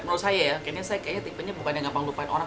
menurut saya saya tipenya bukan gampang melupakan orang